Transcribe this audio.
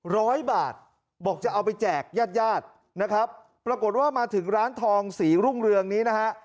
ร้อยบาทบอกจะเอาไปแจกญาติญาตินะครับปรากฏว่ามาถึงร้านทองศรีรุ่งเรืองนี้นะฮะ